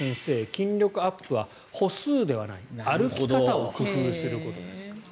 筋力アップは歩数ではない歩き方を工夫すること。